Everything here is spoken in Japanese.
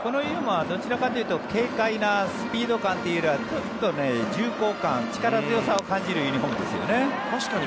このユニホームはどちらかというよりは軽快なスピード感というよりは重厚感、力強さを感じるユニホームですよね。